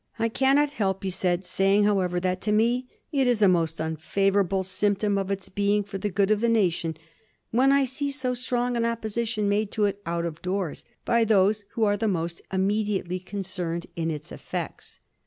" I cannot help," he said, " saying, how ever, that to me it is a most unfavorable symptom of ita being for the good of the nation when I see so strong an opposition made to it out of doors by those who are the most immediately concerned in its effects."